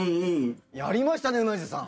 やりましたねンナジさん。